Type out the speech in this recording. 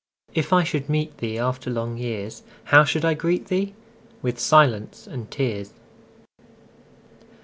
If I should meet theeAfter long years, How should I greet thee?—With silence and tears.